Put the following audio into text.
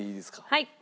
はい。